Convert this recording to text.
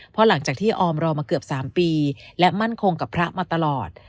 เพราะหลังจากที่ออมรอมาเกือบ๓ปีและมั่นคงกับพระมาตลอด